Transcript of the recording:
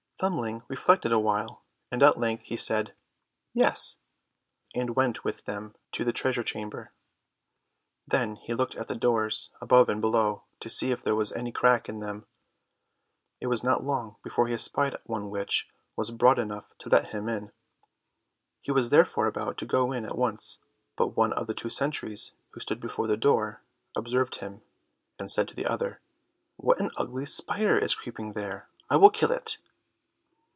Thumbling reflected a while, and at length he said, "yes," and went with them to the treasure chamber. Then he looked at the doors above and below, to see if there was any crack in them. It was not long before he espied one which was broad enough to let him in. He was therefore about to get in at once, but one of the two sentries who stood before the door, observed him, and said to the other, "What an ugly spider is creeping there; I will kill it."